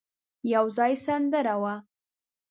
يو ځای سندره وه.